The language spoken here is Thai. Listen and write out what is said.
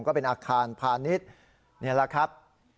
ก็เป็นอาคารพาณิชย์นี่แหละครับ